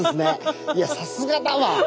いやさすがだわ！